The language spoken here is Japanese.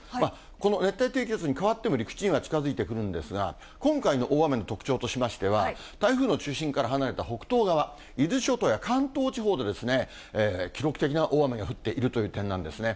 この熱帯低気圧に変わっても陸地には近づいてくるんですが、今回の大雨の特徴としましては、台風の中心から離れた北東側、伊豆諸島や関東地方で、記録的な大雨が降っているという点なんですね。